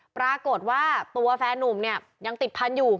ปรากฏว่าตัวแฟนนุ่มเนี่ยยังติดพันธุ์อยู่